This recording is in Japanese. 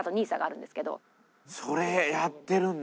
それやってるんだ？